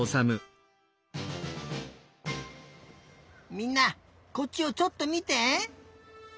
みんなこっちをちょっとみて！